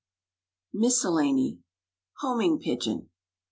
MISCELLANY HOMING PIGEON.